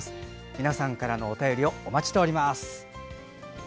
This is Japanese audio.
皆さんからのお便りをお待ちしております。